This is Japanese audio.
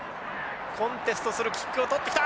コンテストするキックを取ってきた！